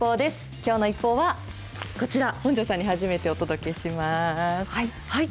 きょうの一報はこちら、本上さんに初めてお届けします。